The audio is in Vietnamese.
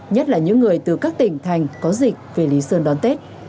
nhất là những người từ các tỉnh thành có dịch về lý sơn đón tết